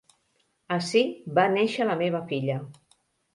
Ací va néixer la meva filla.